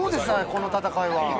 この戦いは。